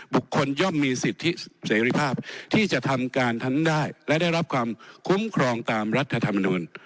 ย่อมมีสิทธิเสรีภาพที่จะทำการทั้งได้และได้รับความคุ้มครองตามรัฐธรรมนูล